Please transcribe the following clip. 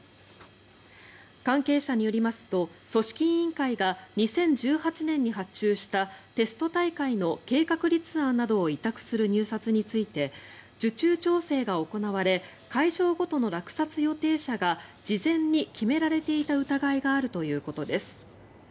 関係者によりますと組織委員会が２０１８年に発注したテスト大会の計画立案などを委託する入札について受注調整が行われ会場ごとの落札予定者が事前に決められていた疑いがあるということです。